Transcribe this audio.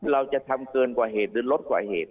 เราจะทำเกินกว่าเหตุหรือลดกว่าเหตุ